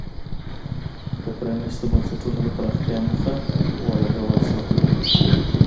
د پرانیستو بنسټونو د پراختیا موخه ولګول شوه.